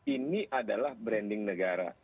ini adalah branding negara